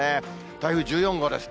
台風１４号です。